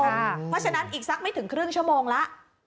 เพราะฉะนั้นอีกสักไม่ถึงครึ่งชั่วโมงแล้ว